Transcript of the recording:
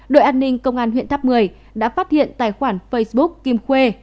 đội an ninh công an huyện tháp một mươi đã phát hiện tài khoản facebook kim khuê